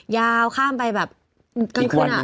ยาวข้ามไปแบบกลางคืน